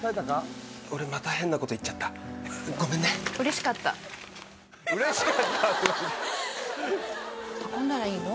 俺また変なこと言っちゃったごめんね嬉しかったとか運んだらいいの？